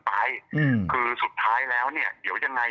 ถ้าสุดท้ายแล้วเดี๋ยวอย่างไร